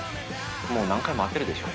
もう何回も会ってるでしょ」